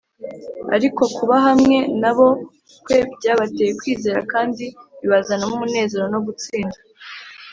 ariko kuba hamwe na bo kwe byabateye kwizera kandi bibazanamo umunezero no gutsinda